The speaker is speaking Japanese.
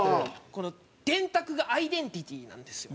この電卓がアイデンティティーなんですよ。